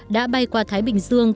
đã bay qua thái bình dương